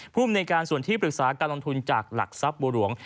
ภูมิในการส่วนที่ปรึกษาการลงทุนจากหลักทรัพย์บัวหลวง